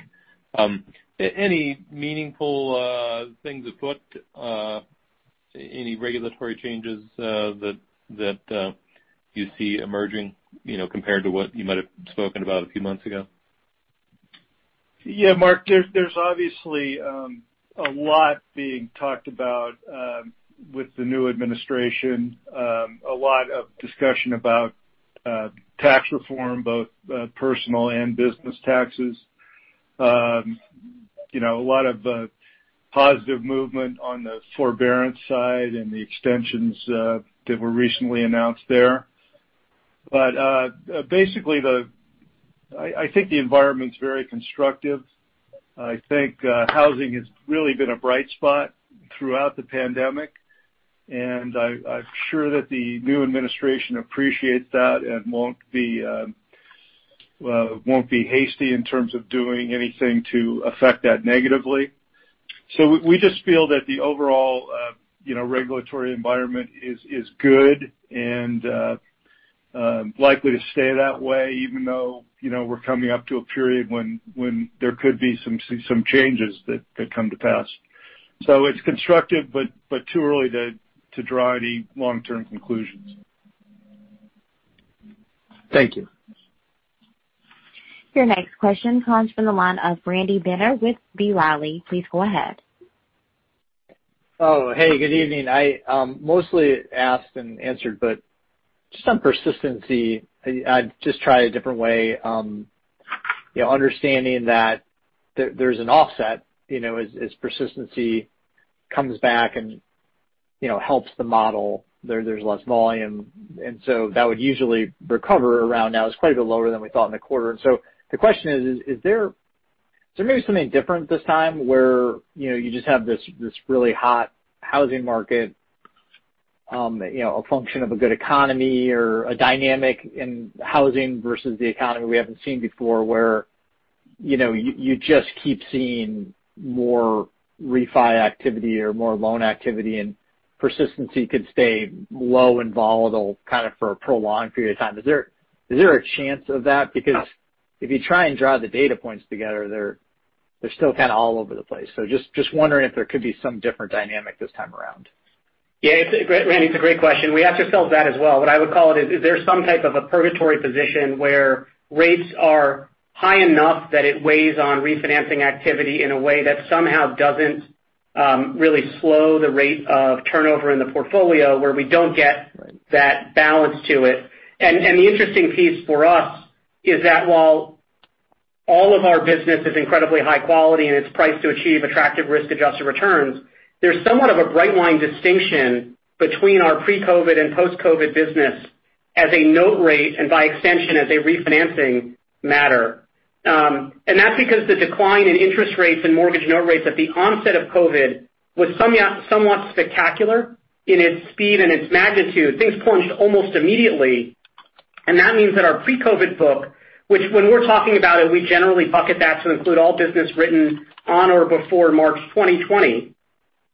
Any meaningful things afoot? Any regulatory changes that you see emerging compared to what you might have spoken about a few months ago? Yeah. Mark, there's obviously a lot being talked about with the new administration. A lot of discussion about tax reform, both personal and business taxes. A lot of positive movement on the forbearance side and the extensions that were recently announced there. Basically, I think the environment's very constructive. I think housing has really been a bright spot throughout the pandemic, and I'm sure that the new administration appreciates that and won't be hasty in terms of doing anything to affect that negatively. We just feel that the overall regulatory environment is good and likely to stay that way, even though we're coming up to a period when there could be some changes that could come to pass. It's constructive, but too early to draw any long-term conclusions. Thank you. Your next question comes from the line of Randy Binner with B. Riley. Please go ahead. Oh, hey, good evening. Mostly asked and answered, but just on persistency, I'd just try a different way. Understanding that there's an offset as persistency comes back and helps the model. There's less volume. That would usually recover around now is quite a bit lower than we thought in the quarter. The question is there maybe something different this time where you just have this really hot housing market, a function of a good economy or a dynamic in housing versus the economy we haven't seen before, where you just keep seeing more refi activity or more loan activity and persistency could stay low and volatile for a prolonged period of time? Is there a chance of that? If you try and draw the data points together, they're still kind of all over the place. Just wondering if there could be some different dynamic this time around. Yeah. Randy, it's a great question. We ask ourselves that as well. What I would call it is there some type of a purgatory position where rates are high enough that it weighs on refinancing activity in a way that somehow doesn't really slow the rate of turnover in the portfolio where we don't get that balance to it? The interesting piece for us is that while all of our business is incredibly high quality and it's priced to achieve attractive risk-adjusted returns, there's somewhat of a bright line distinction between our pre-COVID and post-COVID business as a note rate and by extension, as a refinancing matter. That's because the decline in interest rates and mortgage note rates at the onset of COVID was somewhat spectacular in its speed and its magnitude. Things plunged almost immediately. That means that our pre-COVID book, which when we're talking about it, we generally bucket that to include all business written on or before March 2020.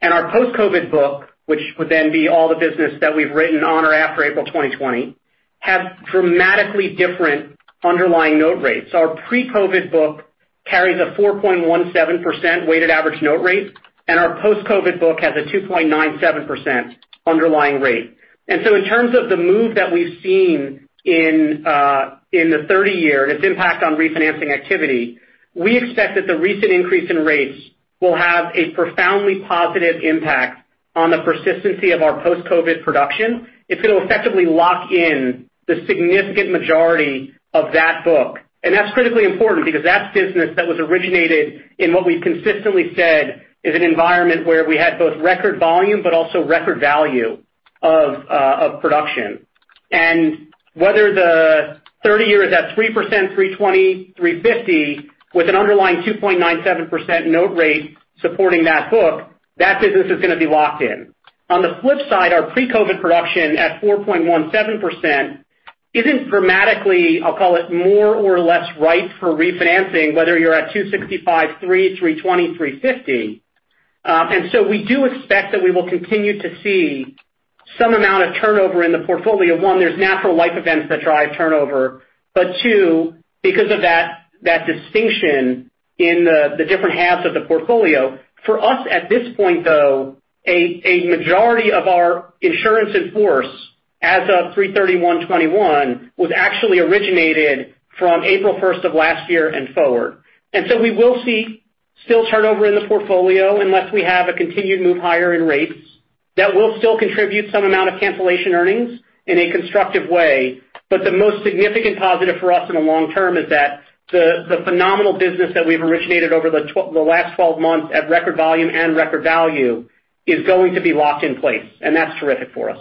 Our post-COVID book, which would be all the business that we've written on or after April 2020, have dramatically different underlying note rates. Our pre-COVID book carries a 4.17% weighted average note rate, and our post-COVID book has a 2.97% underlying rate. In terms of the move that we've seen in the 30 year and its impact on refinancing activity, we expect that the recent increase in rates will have a profoundly positive impact on the persistency of our post-COVID production, it's going to effectively lock in the significant majority of that book. That's critically important because that's business that was originated in what we've consistently said is an environment where we had both record volume but also record value of production. Whether the 30-year is at 3%, 3.20%, 3.50% with an underlying 2.97% note rate supporting that book, that business is going to be locked in. On the flip side, our pre-COVID production at 4.17% isn't dramatically, I'll call it, more or less ripe for refinancing, whether you're at 2.65%, 3%, 3.20%, 3.50%. We do expect that we will continue to see some amount of turnover in the portfolio. One, there's natural life events that drive turnover. Two, because of that distinction in the different halves of the portfolio, for us at this point, though, a majority of our insurance in force as of 3/31/2021 was actually originated from April 1st of last year and forward. We will see still turnover in the portfolio unless we have a continued move higher in rates. That will still contribute some amount of cancellation earnings in a constructive way. The most significant positive for us in the long term is that the phenomenal business that we've originated over the last 12 months at record volume and record value is going to be locked in place, and that's terrific for us.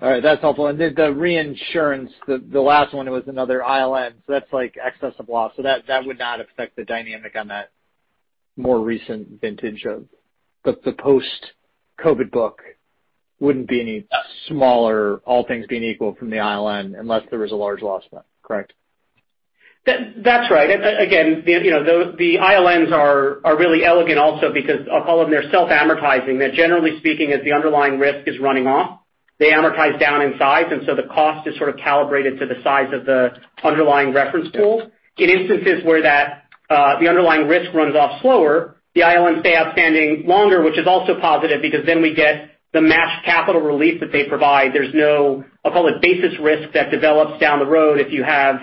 All right, that's helpful. The reinsurance, the last one was another ILN, so that's like excess of loss. That would not affect the dynamic on that more recent vintage of the post-COVID book wouldn't be any smaller, all things being equal from the ILN unless there was a large loss then, correct? That's right. Again, the ILNs are really elegant also because I'll call them, they're self-amortizing. They're generally speaking, as the underlying risk is running off, they amortize down in size, and so the cost is sort of calibrated to the size of the underlying reference pool. In instances where the underlying risk runs off slower, the ILNs stay outstanding longer, which is also positive because then we get the matched capital release that they provide. There's no, I'll call it, basis risk that develops down the road if you have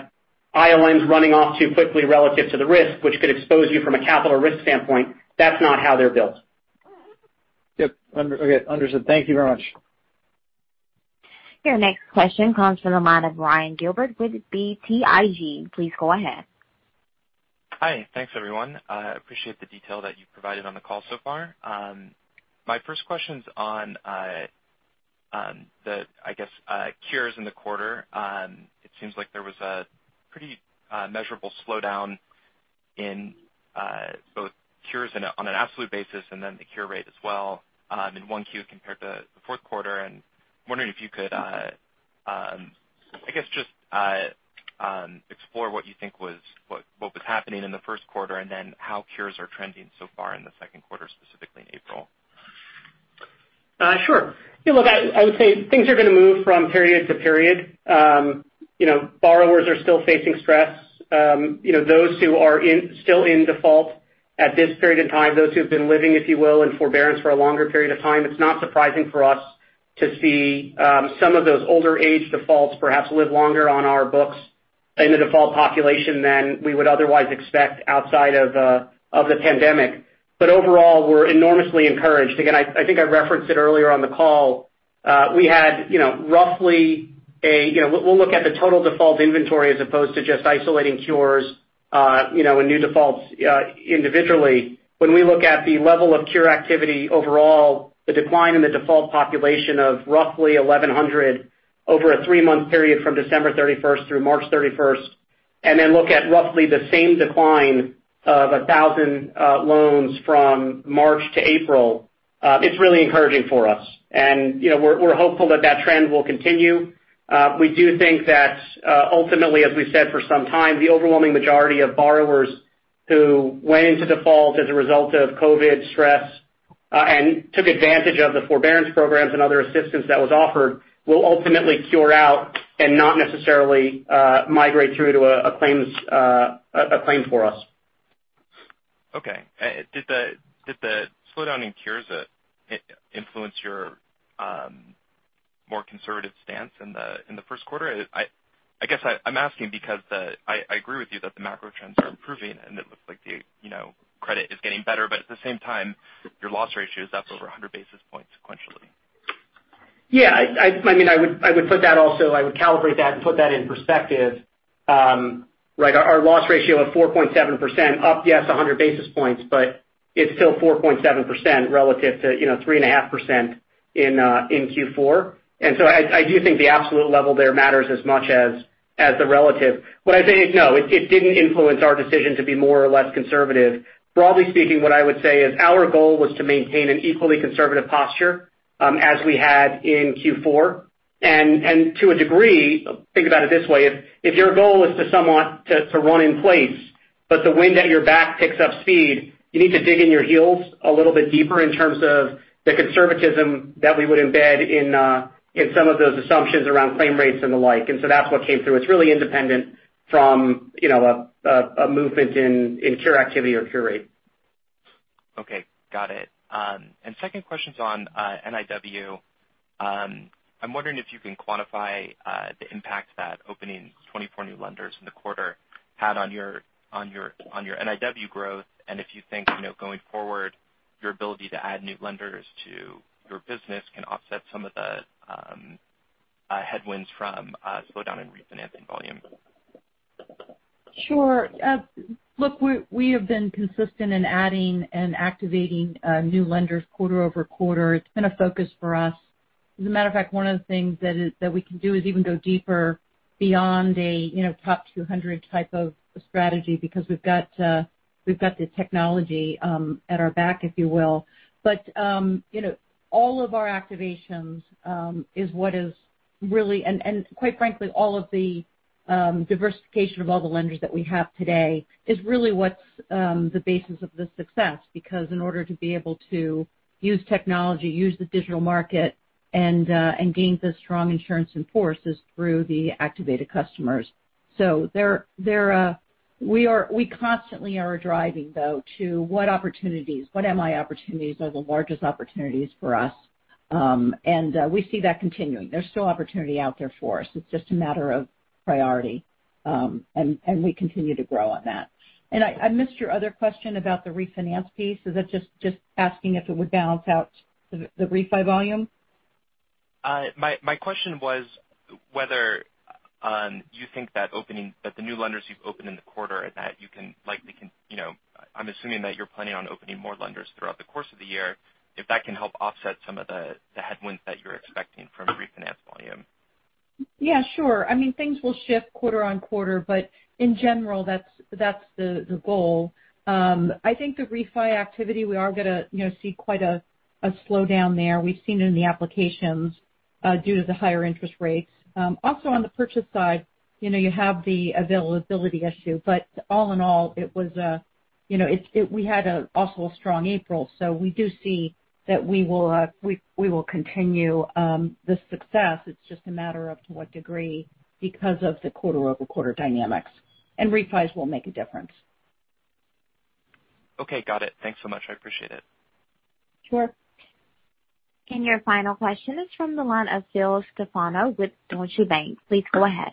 ILNs running off too quickly relative to the risk, which could expose you from a capital risk standpoint. That's not how they're built. Yep. Okay, understood. Thank you very much. Your next question comes from the line of Ryan Gilbert with BTIG. Please go ahead. Hi. Thanks, everyone. I appreciate the detail that you've provided on the call so far. My first question's on the, I guess, cures in the quarter. It seems like there was a pretty measurable slowdown in both cures on an absolute basis and then the cure rate as well in 1Q compared to the fourth quarter, and wondering if you could, I guess, just explore what you think was happening in the first quarter and then how cures are trending so far in the second quarter, specifically in April. Sure. Yeah, look, I would say things are going to move from period to period. Borrowers are still facing stress. Those who are still in default at this period in time, those who've been living, if you will, in forbearance for a longer period of time, it's not surprising for us to see some of those older age defaults perhaps live longer on our books in the default population than we would otherwise expect outside of the pandemic. Overall, we're enormously encouraged. Again, I think I referenced it earlier on the call. We'll look at the total default inventory as opposed to just isolating cures and new defaults individually. When we look at the level of cure activity overall, the decline in the default population of roughly 1,100 over a three-month period from December 31st through March 31st, and then look at roughly the same decline of 1,000 loans from March to April, it's really encouraging for us. We're hopeful that that trend will continue. We do think that ultimately, as we've said for some time, the overwhelming majority of borrowers who went into default as a result of COVID stress and took advantage of the forbearance programs and other assistance that was offered will ultimately cure out and not necessarily migrate through to a claim for us. Okay. Did the slowdown in cures influence your more conservative stance in the first quarter? I guess I'm asking because I agree with you that the macro trends are improving, and it looks like the credit is getting better, but at the same time, your loss ratio is up over 100 basis points sequentially. Yeah. I would calibrate that and put that in perspective. Our loss ratio of 4.7% up, yes, 100 basis points, but it's still 4.7% relative to 3.5% in Q4. I do think the absolute level there matters as much as the relative. No, it didn't influence our decision to be more or less conservative. Broadly speaking, what I would say is our goal was to maintain an equally conservative posture as we had in Q4. To a degree, think about it this way, if your goal is to somewhat to run in place, but the wind at your back picks up speed, you need to dig in your heels a little bit deeper in terms of the conservatism that we would embed in some of those assumptions around claim rates and the like. That's what came through. It's really independent from a movement in cure activity or cure rate. Okay. Got it. Second question's on NIW. I'm wondering if you can quantify the impact that opening 24 new lenders in the quarter had on your NIW growth. If you think, going forward, your ability to add new lenders to your business can offset some of the headwinds from a slowdown in refinancing volume. Sure. Look, we have been consistent in adding and activating new lenders quarter-over-quarter. It's been a focus for us. As a matter of fact, one of the things that we can do is even go deeper beyond a top 200 type of strategy because we've got the technology at our back, if you will. All of our activations and quite frankly, all of the diversification of all the lenders that we have today is really what's the basis of the success. In order to be able to use technology, use the digital market, and gain the strong insurance in force is through the activated customers. We constantly are driving, though, to what opportunities, what MI opportunities are the largest opportunities for us? We see that continuing. There's still opportunity out there for us. It's just a matter of priority. We continue to grow on that. I missed your other question about the refinance piece. Is it just asking if it would balance out the refi volume? My question was whether you think that the new lenders you've opened in the quarter, and that you can likely I'm assuming that you're planning on opening more lenders throughout the course of the year, if that can help offset some of the headwinds that you're expecting from refinance volume. Yeah, sure. Things will shift quarter-over-quarter, but in general, that's the goal. I think the refi activity, we are going to see quite a slowdown there. We've seen it in the applications due to the higher interest rates. Also on the purchase side, you have the availability issue, but all in all, we had also a strong April. We do see that we will continue the success. It's just a matter of to what degree because of the quarter-over-quarter dynamics. Refis will make a difference. Okay, got it. Thanks so much. I appreciate it. Sure. Your final question is from the line of Phil Stefano with Deutsche Bank. Please go ahead.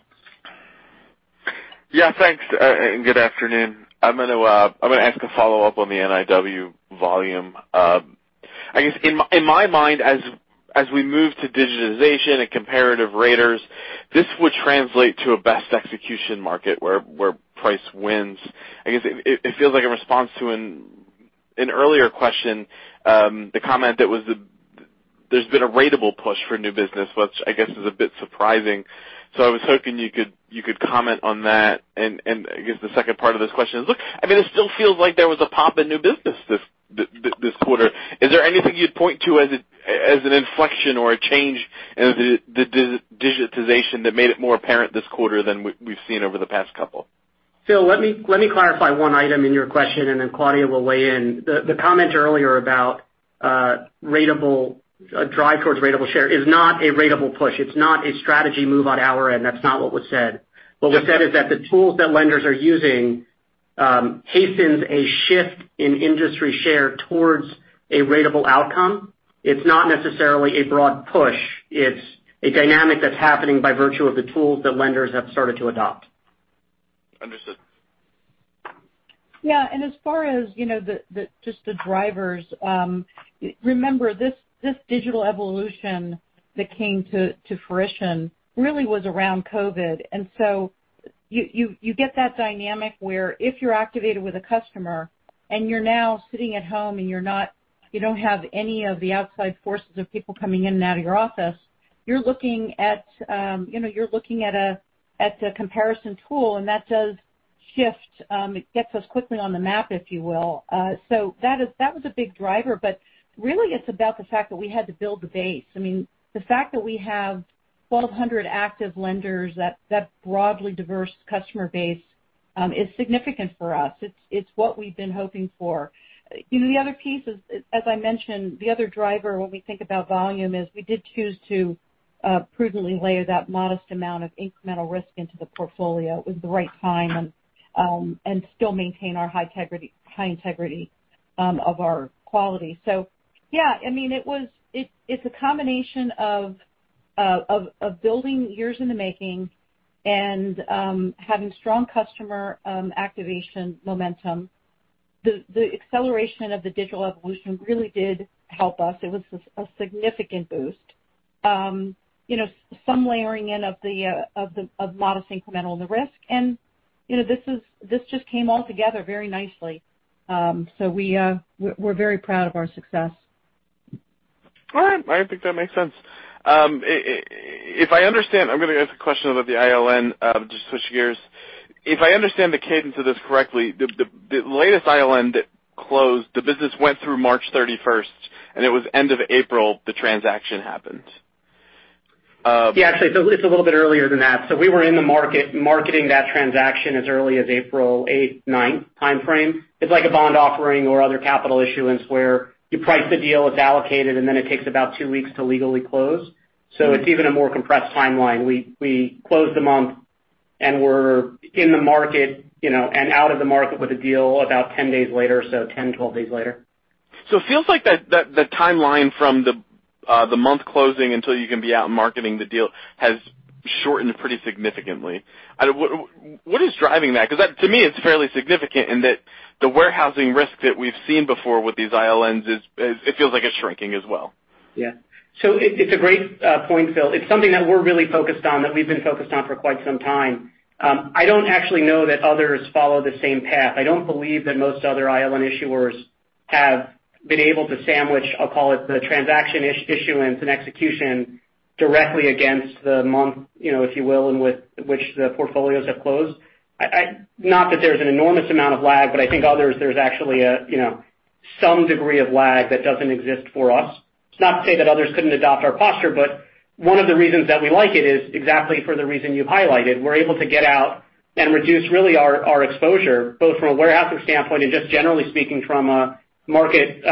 Thanks, and good afternoon. I'm going to ask a follow-up on the NIW volume. I guess in my mind, as we move to digitization and comparative raters, this would translate to a best execution market where price wins. I guess it feels like a response to an earlier question. The comment that there's been a ratable push for new business, which I guess is a bit surprising. I was hoping you could comment on that. I guess the second part of this question is, look, it still feels like there was a pop in new business this quarter. Is there anything you'd point to as an inflection or a change in the digitization that made it more apparent this quarter than we've seen over the past couple? Phil, let me clarify one item in your question, and then Claudia will weigh in. The comment earlier about a drive towards ratable share is not a ratable push. It's not a strategy move on our end. That's not what was said. What was said is that the tools that lenders are using hastens a shift in industry share towards a ratable outcome. It's not necessarily a broad push. It's a dynamic that's happening by virtue of the tools that lenders have started to adopt. Understood. Yeah. As far as just the drivers, remember this digital evolution that came to fruition really was around COVID. You get that dynamic where if you're activated with a customer and you're now sitting at home and you don't have any of the outside forces of people coming in and out of your office, you're looking at a comparison tool, and that does shift. It gets us quickly on the map, if you will. That was a big driver, but really it's about the fact that we had to build the base. The fact that we have 1,200 active lenders, that broadly diverse customer base is significant for us. It's what we've been hoping for. The other piece is, as I mentioned, the other driver when we think about volume is we did choose to prudently layer that modest amount of incremental risk into the portfolio. It was the right time, still maintain our high integrity of our quality. Yeah, it's a combination of building years in the making and having strong customer activation momentum. The acceleration of the digital evolution really did help us. It was a significant boost. Some layering in of modest incremental in the risk. This just came all together very nicely. We're very proud of our success. All right. I think that makes sense. I'm going to ask a question about the ILN, just switch gears. If I understand the cadence of this correctly, the latest ILN that closed, the business went through March 31st, and it was end of April the transaction happened. Yeah, actually it's a little bit earlier than that. We were in the market marketing that transaction as early as April 8th, 9th timeframe. It's like a bond offering or other capital issuance where you price the deal, it's allocated, and then it takes about two weeks to legally close. It's even a more compressed timeline. We close the month. We're in the market, and out of the market with a deal about 10 days later, so 10, 12 days later. It feels like the timeline from the month closing until you can be out marketing the deal has shortened pretty significantly. What is driving that? To me, it's fairly significant in that the warehousing risk that we've seen before with these ILNs, it feels like it's shrinking as well. It's a great point, Phil. It's something that we're really focused on, that we've been focused on for quite some time. I don't actually know that others follow the same path. I don't believe that most other ILN issuers have been able to sandwich, I'll call it, the transaction issuance and execution directly against the month, if you will, in which the portfolios have closed. Not that there's an enormous amount of lag, but I think others, there's actually some degree of lag that doesn't exist for us. It's not to say that others couldn't adopt our posture, but one of the reasons that we like it is exactly for the reason you highlighted. We're able to get out and reduce really our exposure, both from a warehousing standpoint and just generally speaking from a market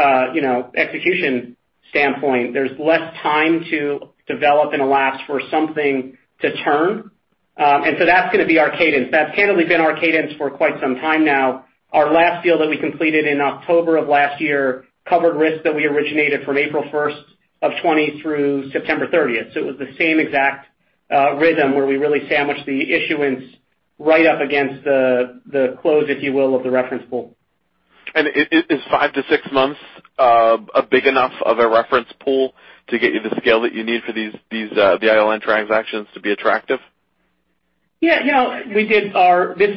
execution standpoint. There's less time to develop and elapse for something to turn. That's going to be our cadence. That's candidly been our cadence for quite some time now. Our last deal that we completed in October of last year covered risks that we originated from April 1st of 2020 through September 30th. It was the same exact rhythm where we really sandwiched the issuance right up against the close, if you will, of the reference pool. Is five-six months a big enough of a reference pool to get you the scale that you need for the ILN transactions to be attractive? Yeah. This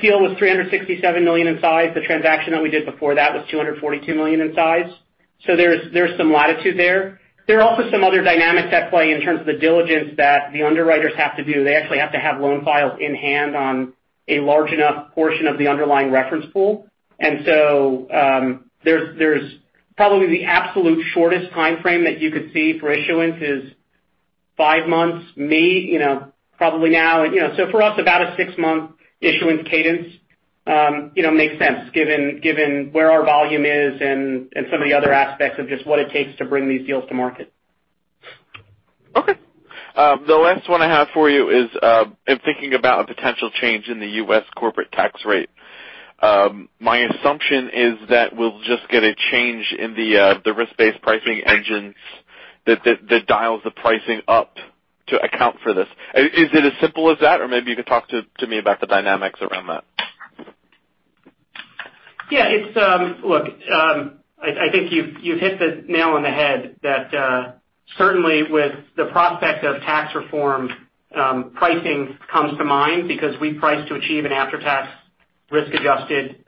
deal was $367 million in size. The transaction that we did before that was $242 million in size. There's some latitude there. There are also some other dynamics at play in terms of the diligence that the underwriters have to do. They actually have to have loan files in hand on a large enough portion of the underlying reference pool. Probably the absolute shortest timeframe that you could see for issuance is five months, maybe, probably now. For us, about a six-month issuance cadence makes sense given where our volume is and some of the other aspects of just what it takes to bring these deals to market. Okay. The last one I have for you is, in thinking about a potential change in the U.S. corporate tax rate. My assumption is that we'll just get a change in the risk-based pricing engines that dials the pricing up to account for this. Is it as simple as that? Maybe you could talk to me about the dynamics around that. Yeah. Look, I think you've hit the nail on the head that certainly with the prospect of tax reform, pricing comes to mind because we price to achieve an after-tax risk-adjusted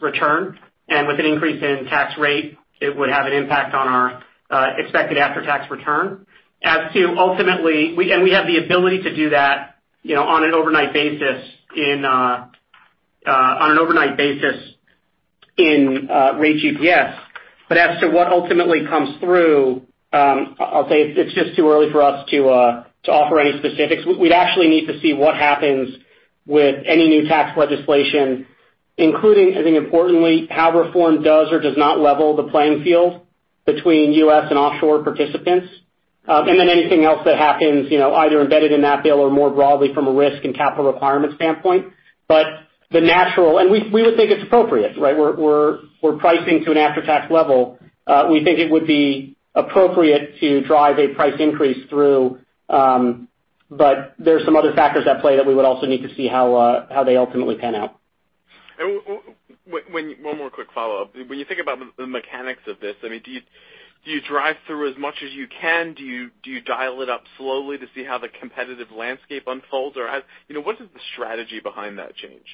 return. With an increase in tax rate, it would have an impact on our expected after-tax return. We have the ability to do that on an overnight basis in Rate GPS. As to what ultimately comes through, I'll say it's just too early for us to offer any specifics. We'd actually need to see what happens with any new tax legislation, including, I think importantly, how reform does or does not level the playing field between U.S. and offshore participants. Anything else that happens, either embedded in that bill or more broadly from a risk and capital requirement standpoint. We would think it's appropriate, right? We're pricing to an after-tax level. We think it would be appropriate to drive a price increase through, but there's some other factors at play that we would also need to see how they ultimately pan out. One more quick follow-up. When you think about the mechanics of this, do you drive through as much as you can? Do you dial it up slowly to see how the competitive landscape unfolds? What is the strategy behind that change?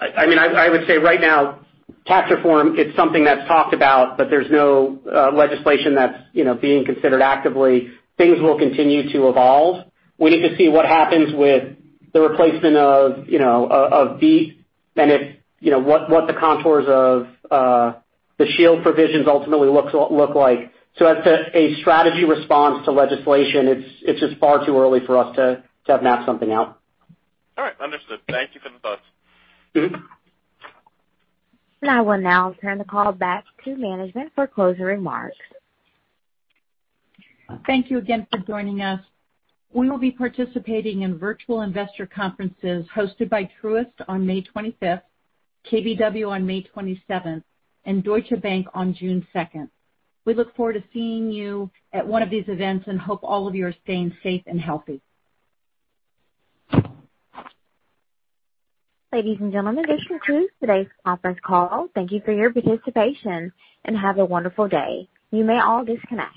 I would say right now, tax reform, it's something that's talked about, but there's no legislation that's being considered actively. Things will continue to evolve. We need to see what happens with the replacement of BEAT and what the contours of the SHIELD provisions ultimately look like. As a strategy response to legislation, it's just far too early for us to have mapped something out. All right. Understood. Thank you for the thoughts. I will now turn the call back to management for closing remarks. Thank you again for joining us. We will be participating in virtual investor conferences hosted by Truist on May 25th, KBW on May 27th, and Deutsche Bank on June 2nd. We look forward to seeing you at one of these events, and hope all of you are staying safe and healthy. Ladies and gentlemen, this concludes today's conference call. Thank you for your participation, and have a wonderful day. You may all disconnect.